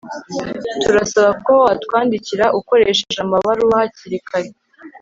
Turasaba ko watwandikira ukoresheje amabaruwa hakiri kare